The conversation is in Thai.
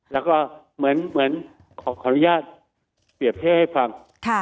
แล้วก็เหมือนขออนุญาตเปรียบเทียบให้ฟัง